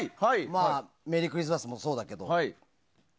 「メリークリスマス」もそうだけど。